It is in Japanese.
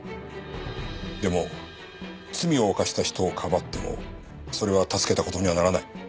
でも罪を犯した人を庇ってもそれは助けた事にはならない。